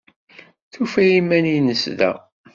Tufa iman-nnes da.